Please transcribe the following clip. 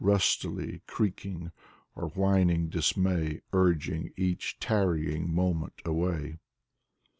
Rustily creaking or whining dismay, Urging each tarrying moment away.